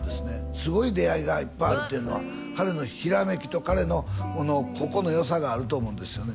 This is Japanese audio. すごい出会いがいっぱいあるっていうのは彼のひらめきと彼のここのよさがあると思うんですよね